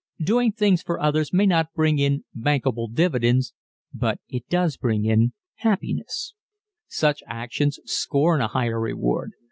Doing things for others may not bring in bankable dividends but it does bring in happiness. Such actions scorn a higher reward.